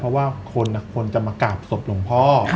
เพราะว่าคนควรจะมากราบศพหลวงพ่อ